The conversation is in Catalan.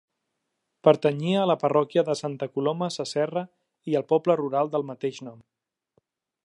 Pertanyia a la parròquia de Santa Coloma Sasserra i al poble rural del mateix nom.